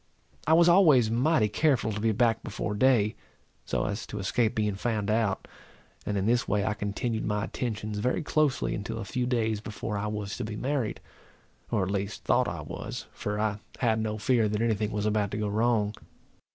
I was always mighty careful to be back before day, so as to escape being found out; and in this way I continued my attentions very closely until a few days before I was to be married, or at least thought I was, for I had no fear that any thing was about to go wrong.